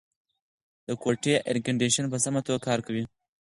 د کوټې اېرکنډیشن په سمه توګه کار کوي.